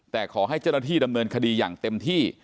แต่ขอให้เจ้าหน้าที่ดำเนินคดีอย่างเต็มที่